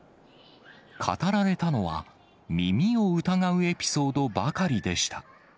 語られたのは、耳を疑うエピソードばかりでした。